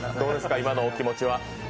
今のお気持ちは。